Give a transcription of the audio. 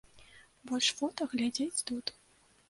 Больш фота глядзець тут.